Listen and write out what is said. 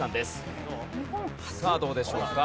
さあどうでしょうか？